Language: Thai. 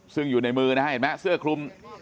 ซึ่งอยู่ในมือนะฮะเสื้อคลุม